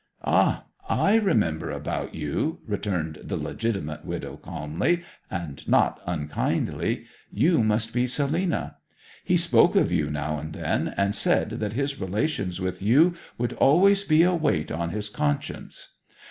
'Ah! I remember about you,' returned the legitimate widow calmly and not unkindly. 'You must be Selina; he spoke of you now and then, and said that his relations with you would always be a weight on his conscience.